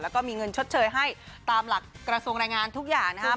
แล้วก็มีเงินชดเชยให้ตามหลักกระทรวงแรงงานทุกอย่างนะครับ